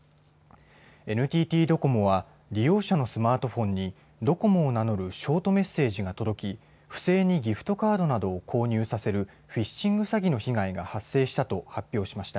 ＮＴＴドコモは利用者のスマートフォンにドコモを名乗るショートメッセージが届き不正にギフトカードなどを購入させるフィッシング詐欺の被害が発生したと発表しました。